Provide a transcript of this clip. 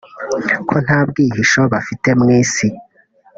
ko nta bwihisho bafite mu isi